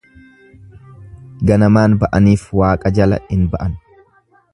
Ganamaan ba'aniif waaqa jala hin ba'an.